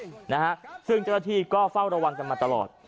ก็เสียหายกันไปนะฮะซึ่งเจราทีก็เฝ้าระวังจังมาตลอด